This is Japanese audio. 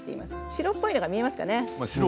白っぽいのが見えますか。